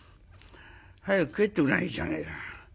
早く帰ってくりゃいいじゃねえか。